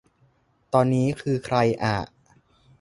ตอนนี้คือใครอ่ะ